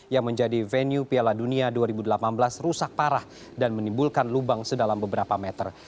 yang menjadi venue piala dunia dua ribu delapan belas rusak parah dan menimbulkan lubang sedalam beberapa meter